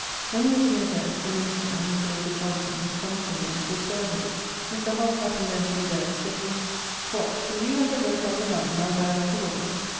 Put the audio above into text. When he was neer death, the minister (Mr. Johnson) was comeing to him to assoile him: Mr. Hobbes happened then to be there; sayd he, 'What, will you that have wrote like a man, now dye like a woman?'